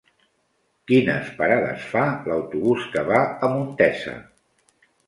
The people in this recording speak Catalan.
Quines parades fa l'autobús que va a Montesa?